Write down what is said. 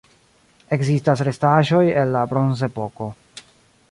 Ekzistas restaĵoj el la bronzepoko.